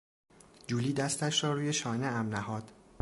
جولی دستش را روی شانهام نهاد.